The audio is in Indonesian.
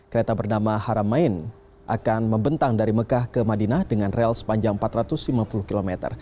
kereta bernama haramain akan membentang dari mekah ke madinah dengan rel sepanjang empat ratus lima puluh km